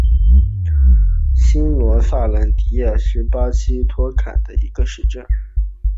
新罗萨兰迪亚是巴西托坎廷斯州的一个市镇。